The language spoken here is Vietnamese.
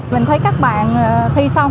mình thấy các bạn thi xong